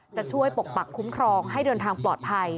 จะช่วยปกปักคุ้มครองให้เดินทางปลอดภัย